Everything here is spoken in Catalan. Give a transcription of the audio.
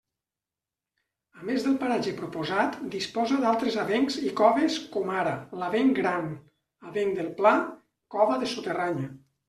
A més el paratge proposat disposa d'altres avencs i coves com ara l'avenc Gran, avenc del Pla, Cova de Soterranya.